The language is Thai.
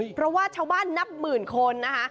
เพราะว่าชาวบ้านนับหมื่นคนนะคะ